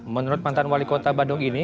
menurut mantan wali kota bandung ini